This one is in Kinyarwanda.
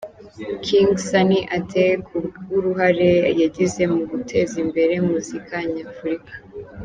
King Sunny Ade, kubw’uruhare yagize mu guteza imbere muzika nyafurika.